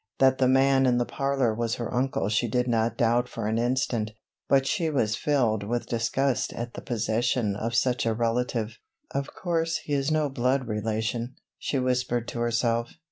That the man in the parlor was her uncle she did not doubt for an instant, but she was filled with disgust at the possession of such a relative. "Of course he is no blood relation," she whispered to herself.